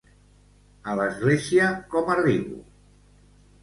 A l'església com arribo?